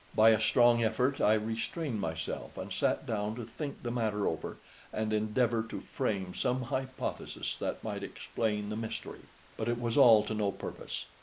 By a strong effort I restrained myself, and sat down to think the matter over and endeavour to frame some hypothesis that might explain the mystery. But it was all to no purpose.